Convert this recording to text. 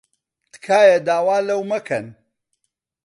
تکایە داوا لەو مەکەن.